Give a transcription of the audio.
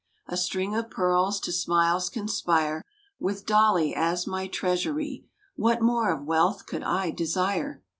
A string of pearls to smiles conspire; With Dolly as my treasury, What more of wealth could I desire?